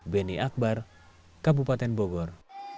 beni akbar kabupaten bogor